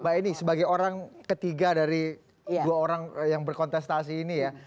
mbak eni sebagai orang ketiga dari dua orang yang berkontestasi ini ya